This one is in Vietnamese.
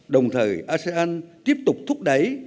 đồng thời asean tiếp tục thúc đẩy